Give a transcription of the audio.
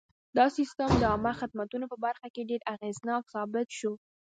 دا سیستم د عامه خدمتونو په برخه کې ډېر اغېزناک ثابت شو.